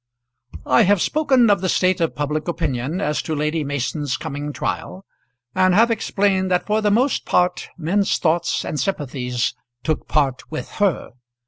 I have spoken of the state of public opinion as to Lady Mason's coming trial, and have explained that for the most part men's thoughts and sympathies took part with her.